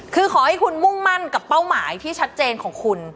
คือขอให้คุณมุ่งมั่นกับเป้าหมายที่ชัดเจนของคุณ